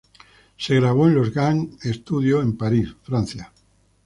Se grabó en los Gang Studios de París, Francia.